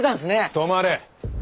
止まれ！